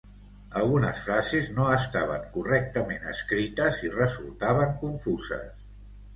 Algunes frases no estaven correctament escrites i resultaven confuses.